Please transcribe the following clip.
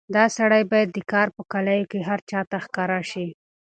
دا سړی باید د ښکار په کالیو کې هر چا ته ښکاره شي.